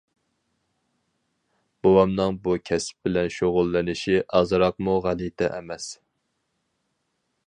بوۋامنىڭ بۇ كەسىپ بىلەن شۇغۇللىنىشى ئازراقمۇ غەلىتە ئەمەس.